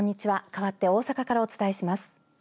かわって大阪からお伝えします。